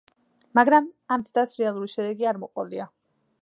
მაგრამ ამ ცდას რეალური შედეგი არ მოჰყოლია.